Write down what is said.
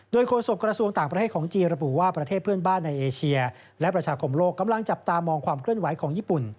โดยโฆษกระทรวงต่างประเทศของจีนระบุว่าประเทศเพื่อนบ้านในเอเชียและประชาคมโลกกำลังจับตามองความเคลื่อนไหวของญี่ปุ่น